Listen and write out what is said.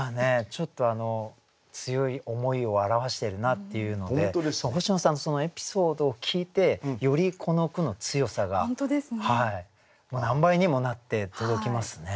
ちょっとあの強い思いを表しているなっていうのをね星野さんのそのエピソードを聞いてよりこの句の強さが何倍にもなって届きますね。